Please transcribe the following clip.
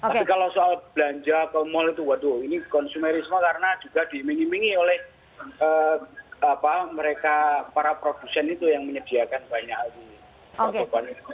tapi kalau soal belanja kemul itu waduh ini konsumerisme karena juga diminimingi oleh para produsen itu yang menyediakan banyak alun